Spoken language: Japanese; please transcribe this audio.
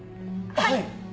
はい。